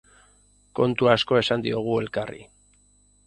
Kontu asko esan diogu elkarri.